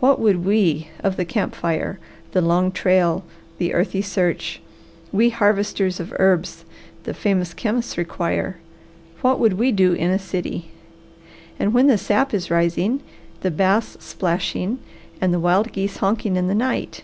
What would we of the camp fire, the long trail, the earthy search, we harvesters of herbs the famous chemists require, what would we do in a city? And when the sap is rising, the bass splashing, and the wild geese honking in the night!